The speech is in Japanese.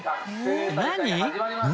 何？